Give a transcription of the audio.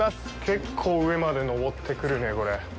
結構上まで上ってくるね、これ。